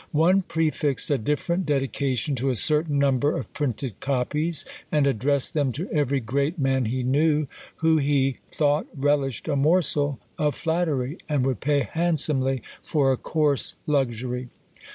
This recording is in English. One prefixed a different dedication to a certain number of printed copies, and addressed them to every great man he knew, who he thought relished a morsel of flattery, and would pay handsomely for a coarse luxury.